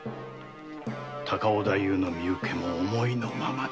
高尾太夫の身請けも思いのままだ。